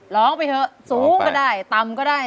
ร้องไปเถอะสูงก็ได้ต่ำก็ได้